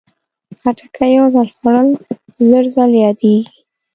خټکی یو ځل خوړل، زر ځل یادېږي.